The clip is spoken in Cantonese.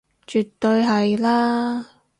絕對係啦